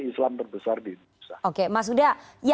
islam terbesar di indonesia